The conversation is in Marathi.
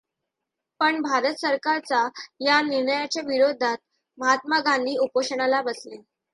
पण भारत सरकारचा या निर्णयाच्या विरोधात महात्मा गांधी उपोषणाला बसले.